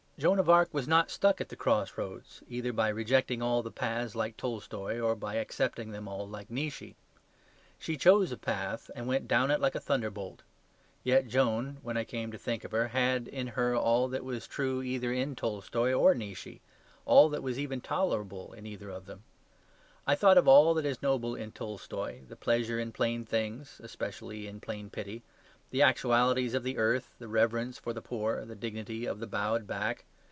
Joan of Arc was not stuck at the cross roads, either by rejecting all the paths like Tolstoy, or by accepting them all like Nietzsche. She chose a path, and went down it like a thunderbolt. Yet Joan, when I came to think of her, had in her all that was true either in Tolstoy or Nietzsche, all that was even tolerable in either of them. I thought of all that is noble in Tolstoy, the pleasure in plain things, especially in plain pity, the actualities of the earth, the reverence for the poor, the dignity of the bowed back.